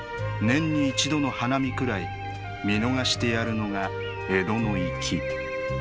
年に一度の花見くらい見逃してやるのが江戸の粋。